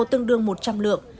tương đương một trăm linh lượng